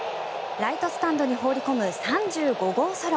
ライトスタンドに放り込む３５号ソロ。